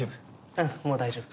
うんもう大丈夫。